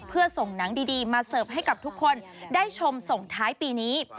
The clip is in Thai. เพื่อส่งหนังดีมาเสิร์ฟให้กับทุกคนได้ชมส่งท้ายปีนี้